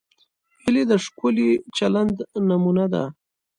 هیلۍ د ښکلي چلند نمونه ده